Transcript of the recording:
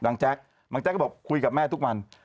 แจ๊กบางแจ๊กก็บอกคุยกับแม่ทุกวัน